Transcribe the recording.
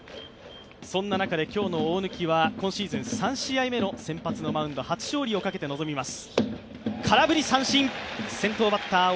そんな中で今日の大貫は今シーズン３試合目の先発のマウンド初勝利をかけて臨みます。